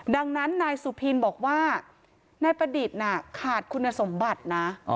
ดังนั้นนายสุพินบอกว่านายประดิษฐ์ขาดคุณสมบัตินะ